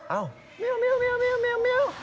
แมวแมวแมว